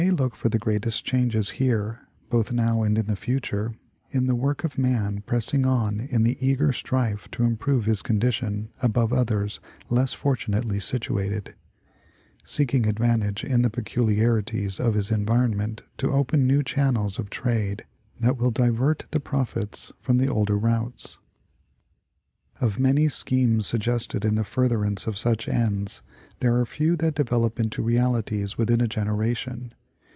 look for the greatest changes here, both now and in the future, in the work of man pressing on 126 National Geographic Magazine. in the eager strife to improve his condition above others less fortunately situated ; seeking advantage in the peculiarities of his environment to open new channels of trade that will divert the profits from the older routes. Of many schemes suggested in furtherance of such ends, there are few that develoj:) into I'ealities within a generation.